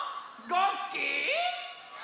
ごっき！